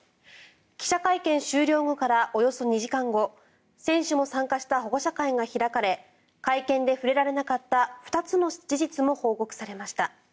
記者会見終了後からおよそ２時間後選手も参加した保護者会が開かれ会見で触れられなかった２つの事実も報告されました。